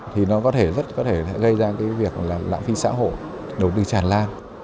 thì nó có thể rất có thể gây ra cái việc là lãng phí xã hội đầu tư tràn lan